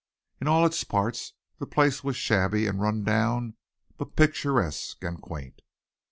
In all its parts the place was shabby and run down but picturesque and quaint.